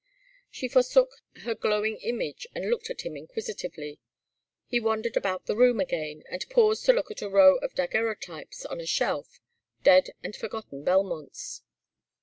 She forsook her glowing image and looked at him inquisitively. He wandered about the room again and paused to look at a row of daguerreotypes on a shelf, dead and forgotten Belmonts.